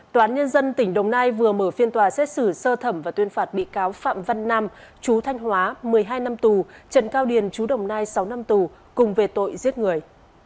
tòa án nhân dân tỉnh đồng nai vừa mở phiên tòa xét xử sơ thẩm và tuyên phạt bị cáo phạm văn nam chú thanh hóa một mươi hai năm tù trần cao điền chú đồng nai sáu năm tù cùng về tội giết người